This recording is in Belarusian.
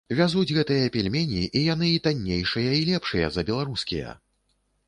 Вязуць гэтыя пельмені, а яны і таннейшыя, і лепшыя за беларускія!